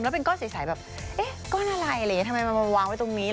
แล้วเป็นก้อนใสแบบเอ๊ะก้อนอะไรอะไรอย่างนี้ทำไมมันมาวางไว้ตรงนี้